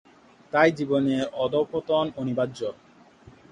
তাই জীবনের অধঃপতন অনিবার্য।